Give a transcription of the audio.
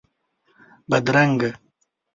بدرنګه